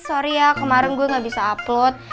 sorry ya kemarin gue gak bisa upload